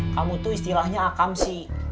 kamu tuh istilahnya akamsi